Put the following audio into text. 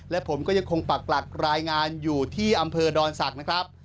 และผมก็ยังคงปักหลักรายงานอยู่ที่อำเภอดอนศักดิ์นะครับ